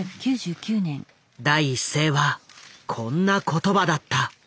第一声はこんな言葉だった。